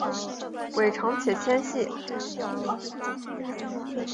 尾长且纤细。